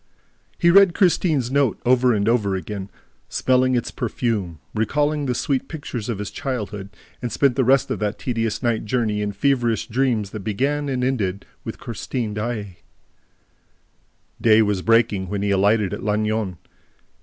He read Christine's note over and over again, smelling its perfume, recalling the sweet pictures of his childhood, and spent the rest of that tedious night journey in feverish dreams that began and ended with Christine Daae. Day was breaking when he alighted at Lannion.